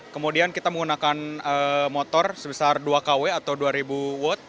kemudian kita menggunakan motor sebesar dua kw atau dua ribu watt